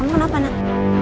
kamu kenapa nak